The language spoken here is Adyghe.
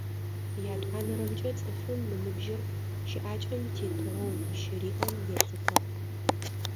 Ятӏонэрэмкӏэ, цӏыфым ыныбжьыр щыӏакӏэм тетыгъоу щыриӏэм елъытыгъ.